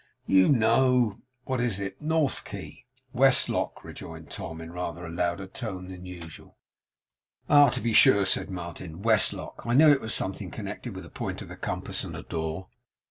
'YOU know. What is it? Northkey.' 'Westlock,' rejoined Tom, in rather a louder tone than usual. 'Ah! to be sure,' said Martin, 'Westlock. I knew it was something connected with a point of the compass and a door.